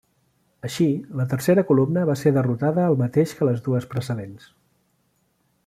Així, la tercera columna va ser derrotada el mateix que les dues precedents.